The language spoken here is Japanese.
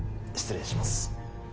失礼します。